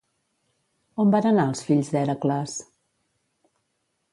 On van anar els fills d'Hèracles?